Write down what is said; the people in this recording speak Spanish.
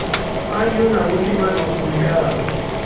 Hay una última no publicada.